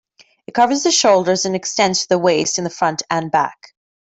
It covers the shoulders and extends to the waist in the front and back.